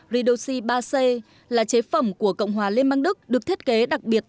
redoxi ba c là chế phẩm của cộng hòa liên bang đức được thiết kế đặc biệt